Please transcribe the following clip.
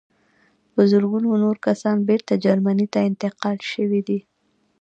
په زرګونه نور کسان بېرته جرمني ته انتقال شوي دي